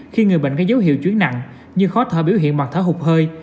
khi người bệnh có dấu hiệu chuyến nặng như khó thở biểu hiện hoặc thở hụt hơi